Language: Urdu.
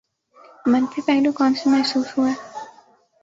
، منفی پہلو کون سے محسوس ہوئے؟